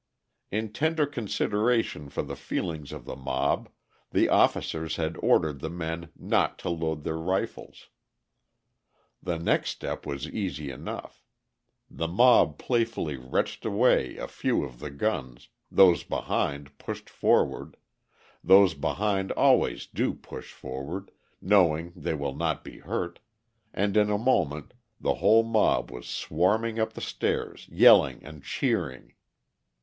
In tender consideration for the feelings of the mob, the officers had ordered the men not to load their rifles. The next step was easy enough; the mob playfully wrenched away a few of the guns, those behind pushed forward those behind always do push forward, knowing they will not be hurt and in a moment the whole mob was swarming up the stairs, yelling and cheering.